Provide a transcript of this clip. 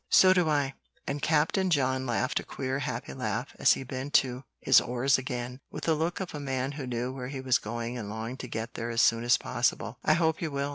"So do I!" and Captain John laughed a queer, happy laugh, as he bent to his oars again, with the look of a man who knew where he was going and longed to get there as soon as possible. "I hope you will.